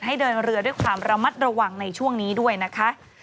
ให้เดินเรือด้วยความระมัดระวังในช่วงนี้ด้วยนะคะ